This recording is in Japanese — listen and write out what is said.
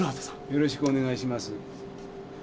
よろしくお願いします。